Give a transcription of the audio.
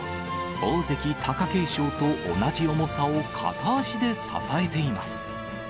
大関・貴景勝と同じ重さを片足で支えています。